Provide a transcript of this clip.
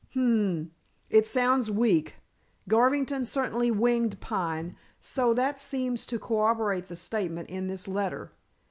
"Hum! It sounds weak. Garvington certainly winged Pine, so that seems to corroborate the statement in this letter.